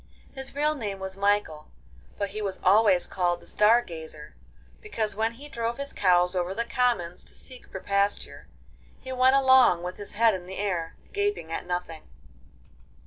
His real name was Michael, but he was always called the Star Gazer, because when he drove his cows over the commons to seek for pasture, he went along with his head in the air, gaping at nothing.